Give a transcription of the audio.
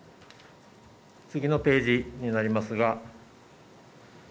次のページになりますが。